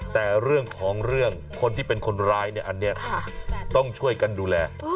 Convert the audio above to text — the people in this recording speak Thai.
แต่เรื่องของเรื่องคนที่เป็นคนร้ายเนี่ยอันนี้ต้องช่วยกันดูแล